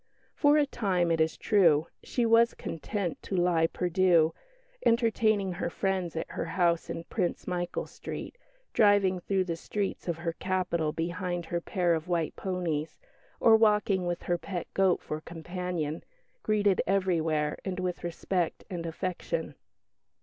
For a time, it is true, she was content to lie perdue, entertaining her friends at her house in Prince Michael Street, driving through the streets of her capital behind her pair of white ponies, or walking with her pet goat for companion, greeted everywhere with respect and affection.